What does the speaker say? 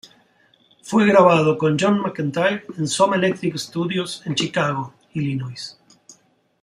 Fue grabado con John Mcentire en Soma Electric Studios en Chicago, Illinois.